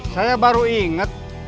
saya baru inget